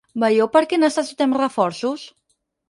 ¿Veieu per què necessitem reforços?